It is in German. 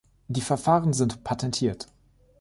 Die Verfahren sind patentiert.